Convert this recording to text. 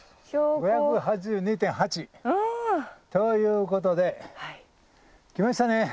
５８２．８。ということで来ましたね。